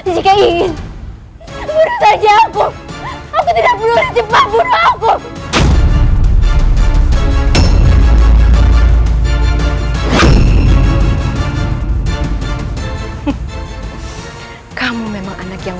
sampai jumpa di video selanjutnya